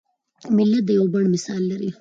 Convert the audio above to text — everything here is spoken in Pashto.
ملت د یوه بڼ مثال لري.